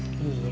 gak usah nanya